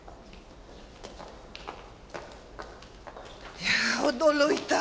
いや驚いた。